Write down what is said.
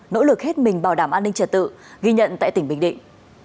nỗ lực hết mình bảo đảm an ninh trật tự ghi nhận tại tỉnh bình định